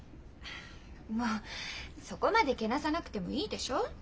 もうそこまでけなさなくてもいいでしょう？